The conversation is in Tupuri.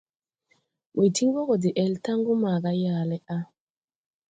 ‘ũy tiŋ ɓɔŋ gɔ de-al taŋgu maaga yaale a.